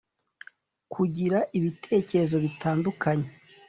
kugira ibitekerezo bitandukanye